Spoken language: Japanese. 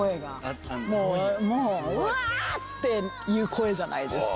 うわ！っていう声じゃないですか。